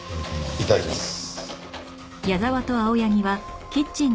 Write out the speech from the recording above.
いただきます。